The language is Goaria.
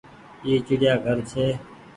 اي چڙيآ گهر ڇي۔